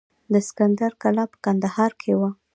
د اسکندر کلا په کندهار کې وه